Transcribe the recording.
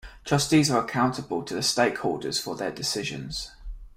Trustees are accountable to stakeholders for their decisions.